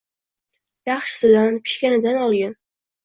Yaxshisidan, pishganidan olgin